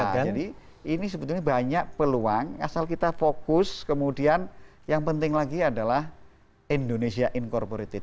jadi ini sebetulnya banyak peluang asal kita fokus kemudian yang penting lagi adalah indonesia incorporated